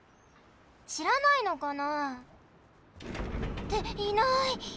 しらないのかな？っていない！